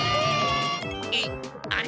えっあれ？